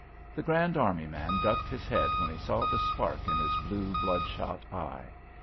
The Grand Army man ducked his head when he saw the spark in his blue, blood shot eye.